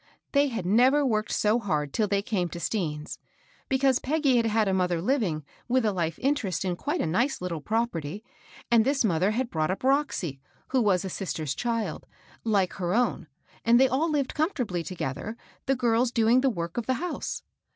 They had never worked so hard till they came to Stean's ; because Peggy had had a mother Kving, with a life interest in quite a nice little property, and this mother had brought up Roxy, who was a sister's child, like her own, and they all lived com fortably together, the girls doing the work of the house.